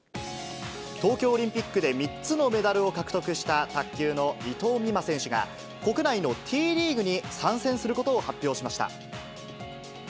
東京オリンピックで３つのメダルを獲得した卓球の伊藤美誠選手が、国内のＴリーグに参戦することを発表しました。